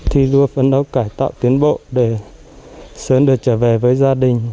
thi đua phấn đấu cải tạo tiến bộ để sớm được trở về với gia đình